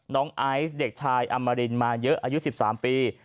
ไอซ์เด็กชายอมรินมาเยอะอายุ๑๓ปี